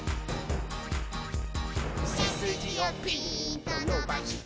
「せすじをピーンとのばして」